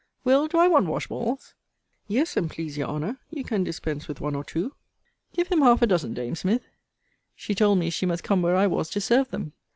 Will. do I want wash balls? Yes, and please your Honour, you can dispense with one or two. Give him half a dozen, dame Smith. She told me she must come where I was, to serve them.